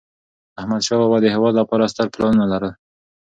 احمدشاه بابا د هېواد لپاره ستر پلانونه لرل.